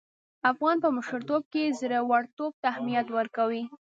افغانان په مشرتوب کې زړه ورتوب ته اهميت ورکوي.